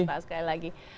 terima kasih sekali lagi